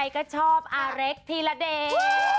ใครก็ชอบอาร์กทีละเดน